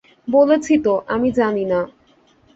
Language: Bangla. বলেছি তো, আমি জানি না।